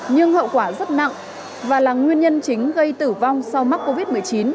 nhưng hậu quả rất nặng và là nguyên nhân chính gây tử vong sau mắc covid một mươi chín